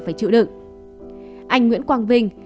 phải chịu đựng anh nguyễn quang vinh